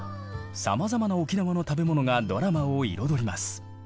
さまざまな沖縄の食べ物がドラマを彩ります。